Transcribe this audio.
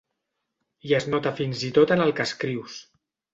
I es nota fins i tot en el que escrius.